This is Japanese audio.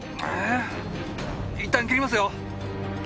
いったん切りますよ！